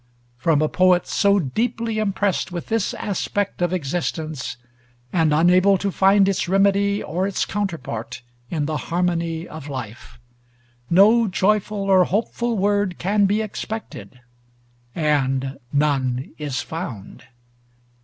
From a poet so deeply impressed with this aspect of existence, and unable to find its remedy or its counterpart in the harmony of life, no joyful or hopeful word can be expected, and none is found.